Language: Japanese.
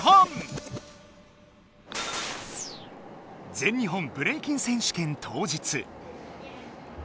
全日本ブレイキン選手権当日。